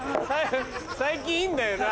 最近いいんだよな。